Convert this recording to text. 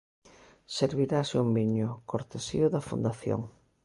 Servirase un viño, cortesía da Fundación.